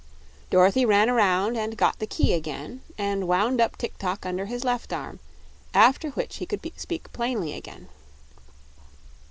Dorothy ran around and got the key again and wound up Tik tok under his left arm, after which he could speak plainly again.